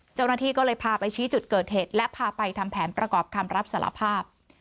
เจ้าหน้าที่ก็เลยพาไปชี้จุดเกิดเหตุและพาไปทำแผนประกอบคำรับสารภาพ